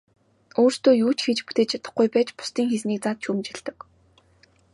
Өөрсдөө юу ч хийж бүтээж чадахгүй байж бусдын хийснийг зад шүүмжилдэг.